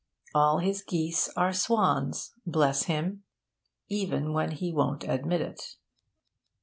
All his geese are swans bless him! even when he won't admit it.